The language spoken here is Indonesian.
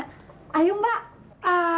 konek itu tuh bisa